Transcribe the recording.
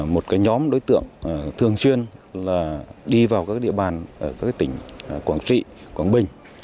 một nhóm đối tượng thường xuyên đi vào các địa bàn các tỉnh quảng trị quảng bình